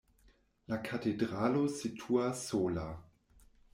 La katedralo situas sola.